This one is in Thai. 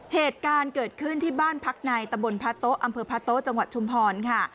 เหตุการณ์เกิดขึ้นที่บ้านพักในตะบนพระโต๊ะอำเภอพระโต๊ะจังหวัดชุมพรค่ะ